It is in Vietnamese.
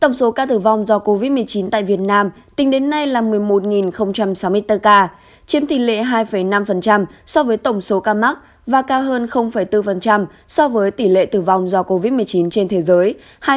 tổng số ca tử vong do covid một mươi chín tại việt nam tính đến nay là một mươi một sáu mươi bốn ca chiếm tỷ lệ hai năm so với tổng số ca mắc và cao hơn bốn so với tỷ lệ tử vong do covid một mươi chín trên thế giới